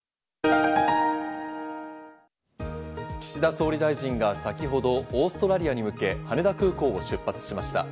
岸田総理大臣が先ほどオーストラリアに向け、羽田空港を出発しました。